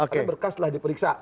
karena berkas telah diperiksa